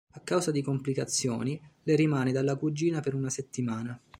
A causa di complicazioni, lei rimane dalla cugina per una settimana.